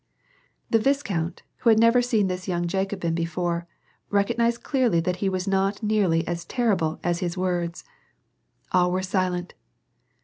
The viscount, who had never seen this young Jacobin be fore, recognized clearly that he was not nearly as terrible as his words. All were silent.